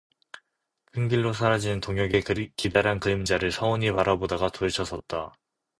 큰길로 사라지는 동혁의 기다란 그림자를 서운히 바라보다가 돌쳐섰다.